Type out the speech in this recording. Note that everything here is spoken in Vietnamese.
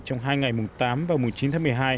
trong hai ngày mùng tám và mùng chín tháng một mươi hai